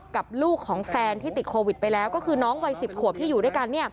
กับลูกของแฟนที่ติดโควิดไปแล้วก็คือน้องวัย๑๐ขวบที่อยู่ด้วยกัน